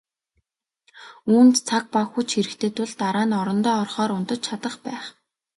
Үүнд цаг ба хүч хэрэгтэй тул дараа нь орондоо орохоор унтаж чадах байх.